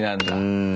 うん。